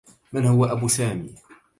من هو أب سامي؟